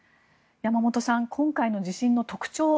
山本さん、今回の地震の特徴